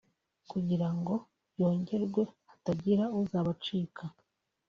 kugira ngo yongerwe hatagira uzabacika